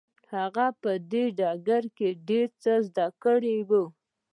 هغه په دې ډګر کې ډېر څه زده کړي وو.